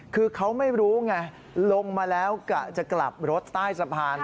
คือเขาไม่รู้ไงลงมาแล้วกะจะกลับรถใต้สะพาน